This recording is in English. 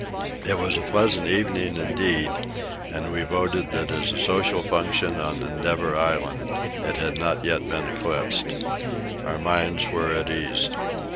It was a pleasant evening indeed, and we voted that as a social function on Endeavour Island it had not yet been eclipsed. Our minds were at ease.